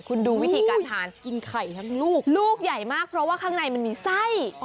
คุณดูวิธีการทานลูกใหญ่มากเพราะว่าข้างในมันมีไส้